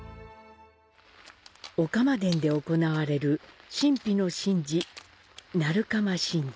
御竈殿で行われる神秘の神事鳴釜神事。